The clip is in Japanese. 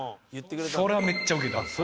それはめっちゃウケたんですよ。